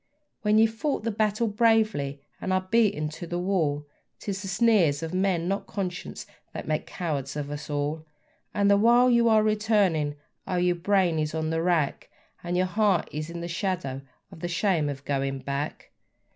When we've fought the battle bravely and are beaten to the wall, 'Tis the sneers of men, not conscience, that make cowards of us all; And the while you are returning, oh! your brain is on the rack, And your heart is in the shadow of the shame of going back.